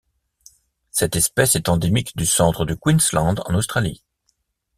Cette espèce est endémique du centre du Queensland en Australie.